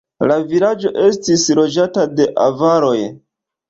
La vilaĝo estis loĝata de avaroj.